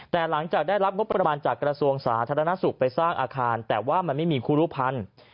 แต่หลังจากได้รับงบประมาณจากกระทรวงสาธารณสุขไปสร้างอาคารแต่ว่ามันไม่มีครูรุภัณฑ์